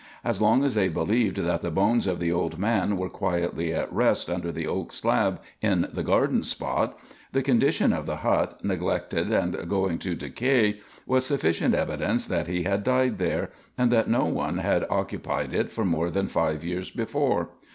As long as they believed that the bones of the old man were quietly at rest under the oak slab in the garden spot, the condition of the hut, neglected and going to decay, was sufficient evidence that he had died there, and that no one had occupied it for more than five years before.